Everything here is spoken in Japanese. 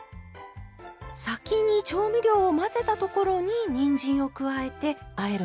先に調味料を混ぜたところににんじんを加えてあえるんですね。